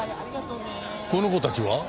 この子たちは？